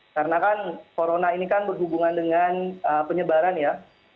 karena kan corona ini kan berhubungan dengan penyebaran ya